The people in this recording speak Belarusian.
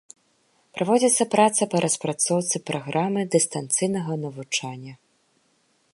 Праводзіцца праца па распрацоўцы праграмы дыстанцыйнага навучання.